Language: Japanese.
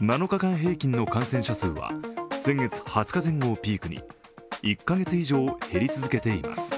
７日間平均の感染者数は先月２０日前後をピークに１カ月以上、減り続けています。